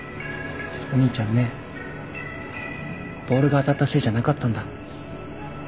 お兄ちゃんねボールが当たったせいじゃなかったんだ。